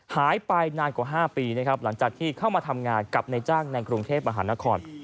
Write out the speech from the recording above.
หายไปนานกว่า๕ปีนะครับหลังจากที่เข้ามาทำงานกับในจ้างในกรุงเทพมหานคร